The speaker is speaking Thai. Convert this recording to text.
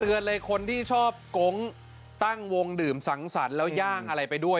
เลยคนที่ชอบโก๊งตั้งวงดื่มสังสรรค์แล้วย่างอะไรไปด้วย